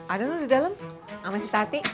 ada lo di dalam sama si tati